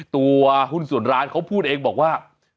ตัวหุ้นส่วนร้านเขาพูดเองบอกว่า